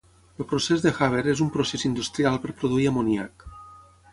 El procés de Haber és un procés industrial per produir amoníac.